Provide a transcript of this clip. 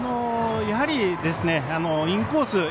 やはりインコース。